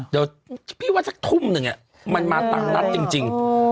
เดี๋ยวพี่ว่าสักทุ่มหนึ่งมันมาตามนัดจริง